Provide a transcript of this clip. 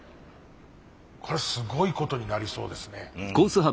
これすごいことになりそうですね。